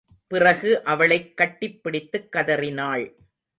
பிறகு அவளைக் கட்டிப் பிடித்துக் கதறினாள்.